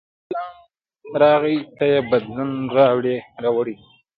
اسلام راغی ته یې بدلون راوړی دی.